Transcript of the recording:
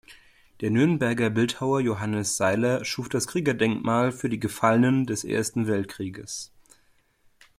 Der Nürnberger Bildhauer Johannes Seiler schuf das Kriegerdenkmal für die Gefallenen des Ersten Weltkrieges.